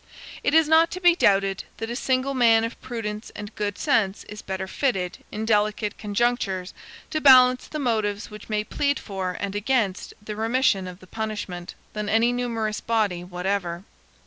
It is not to be doubted, that a single man of prudence and good sense is better fitted, in delicate conjunctures, to balance the motives which may plead for and against the remission of the punishment, than any numerous body whatever.